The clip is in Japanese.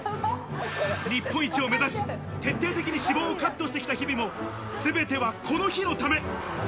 日本一を目指し、徹底的に脂肪をカットしてきた日々も、全てはこの日のため。